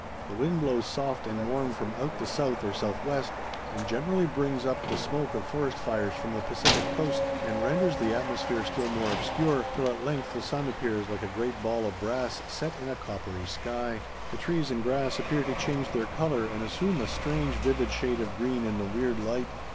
The wind blows soft and warm from out the south or southwest, and generally brings up the smoke of forest fires from the Pacific coast, and renders the atmosphere still more obscure, till at length the sun appears like a great ball of brass set in a coppery sky. The trees and grass appear to change their color and assume a strange vivid shade of green in the weird light.